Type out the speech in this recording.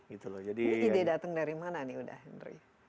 ini ide datang dari mana nih udah hendry